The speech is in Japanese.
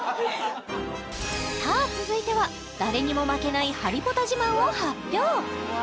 さあ続いては誰にも負けない「ハリポタ」自慢を発表！